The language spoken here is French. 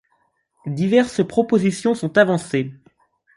Diverses propositions sont avancées.